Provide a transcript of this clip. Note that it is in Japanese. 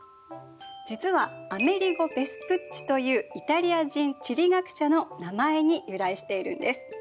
実はアメリゴ・ヴェスプッチというイタリア人地理学者の名前に由来しているんです。